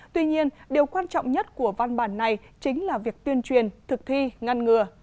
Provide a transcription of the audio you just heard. tuy nhiên điều quan trọng nhất của văn bản này chính là việc tuyên truyền thực thi ngăn ngừa